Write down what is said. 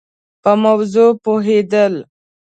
په موضوع پوهېد ل